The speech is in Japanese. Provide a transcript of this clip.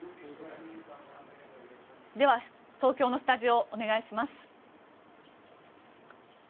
では、東京のスタジオお願いします。